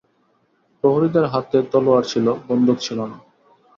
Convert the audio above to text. প্রহরীদের হাতে তলোয়ার ছিল, বন্দুক ছিল না।